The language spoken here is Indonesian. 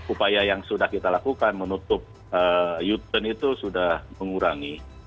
upaya yang sudah kita lakukan menutup u turn itu sudah mengurangi